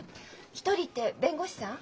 「一人」って弁護士さん？